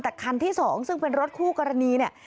แต่คันที่๒ซึ่งเป็นรถคู่กรณีเนี่ย